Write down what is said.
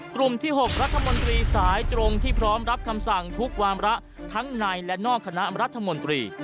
กลุ่มที่๖รัฐมนตรีสายตรงที่พร้อมรับคำสั่งทุกวามระทั้งในและนอกคณะรัฐมนตรี